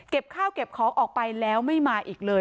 ข้าวเก็บของออกไปแล้วไม่มาอีกเลย